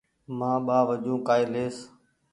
مآن ٻآ وجون ڪآئي ليئس